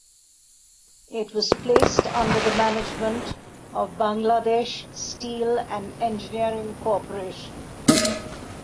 It was placed under the management of Bangladesh Steel and Engineering Corporation.